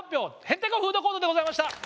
「へんてこフードコート」でございました！